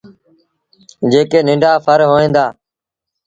جيڪي ننڍآ ڦر هوئين دآ۔